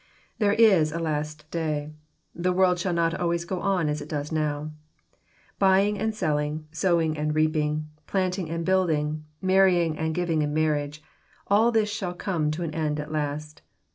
There is a last day I The world shall not always go on as it does now. Buying and selling, sowing and reaping, planting and building, marrying and giving in marriage,— all this shall come to an end at last.